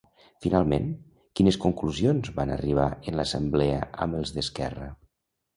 Finalment, a quines conclusions van arribar en l'assemblea amb els d'Esquerra?